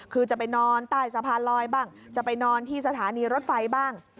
คือจะไปนอนใต้สะพานลอยบ้างจะไปนอนที่สถานีรถไฟบ้าง